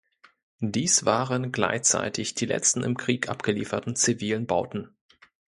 Dies waren gleichzeitig die letzten im Krieg abgelieferten zivilen Bauten.